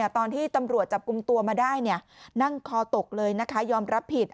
ตอนที่ตำรวจจับกลุ่มตัวมาได้นั่งคอตกเลยนะคะยอมรับผิด